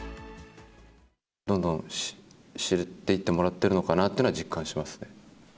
どんどん知っていってもらっているのかなっていうのは、実感しますね。